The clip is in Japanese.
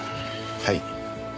はい。